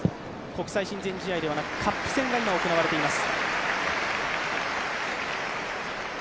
国際親善試合ではなくカップ戦が今、行われています。